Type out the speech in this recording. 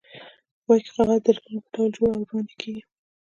په پای کې کاغذ د ریلونو په ډول جوړ او وړاندې کېږي.